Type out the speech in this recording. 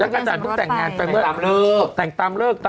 กดสาร้องท